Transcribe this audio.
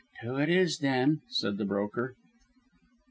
"Two it is, then," said the broker.